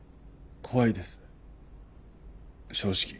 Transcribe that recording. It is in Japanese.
怖いです正直。